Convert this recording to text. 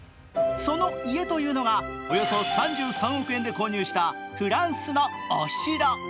その家というのが、およそ３３億円で購入したフランスのお城。